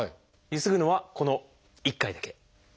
ゆすぐのはこの１回だけ。